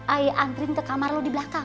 ayo antriin ke kamar lo di belakang